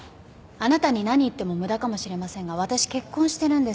あなたに何言っても無駄かもしれませんが私結婚してるんです。